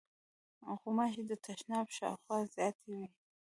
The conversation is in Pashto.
غوماشې د تشناب شاوخوا زیاتې وي.